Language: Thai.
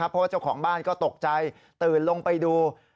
เพราะว่าเจ้าของบ้านก็ตกใจตื่นลงไปดู